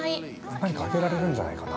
◆何かあげられるんじゃないかな。